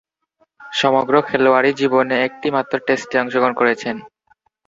সমগ্র খেলোয়াড়ী জীবনে একটিমাত্র টেস্টে অংশগ্রহণ করেছেন।